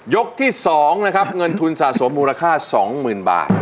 ยกที่สองนะครับเงินทุนสะสมมูลค่าสองหมื่นบาท